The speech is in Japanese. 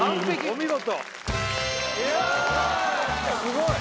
お見事！